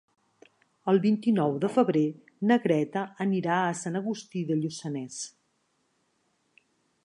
El vint-i-nou de febrer na Greta anirà a Sant Agustí de Lluçanès.